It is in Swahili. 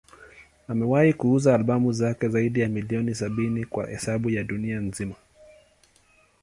Amewahi kuuza albamu zake zaidi ya milioni sabini kwa hesabu ya dunia nzima.